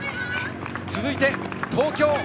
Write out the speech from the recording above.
続いて東京。